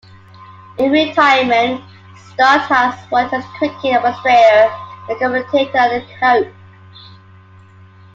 In retirement, Stott has worked as a cricket administrator, a commentator and a coach.